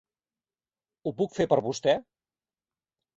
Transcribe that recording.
Ho puc fer per vostè?